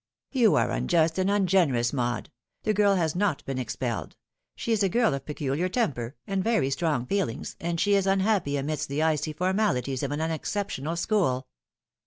" You are unjust and ungenerous, Maud. The girl has not been expelled. She is a girl of peculiar temper, and very strong feelings, and she is unhappy amidst the icy formalities of an unexceptionable school.